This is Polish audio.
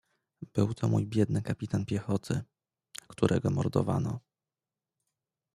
"Był to mój biedny kapitan piechoty, którego mordowano."